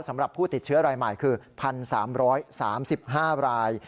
สำหรับผู้ติดเชื้อรายใหม่คือ๑๓๓๕ราย